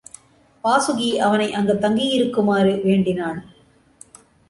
வாசுகி அவனை அங்குத் தங்கி இருக்குமாறு வேண்டினான்.